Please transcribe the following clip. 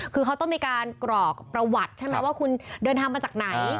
คือเขาต้องมีการกรอกประวัติใช่ไหมว่าคุณเดินทางมาจากไหน